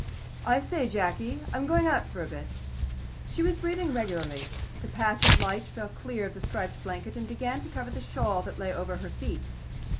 "I say, Jacky, I'm going out for a bit." She was breathing regularly. The patch of light fell clear of the striped blanket, and began to cover the shawl that lay over her feet.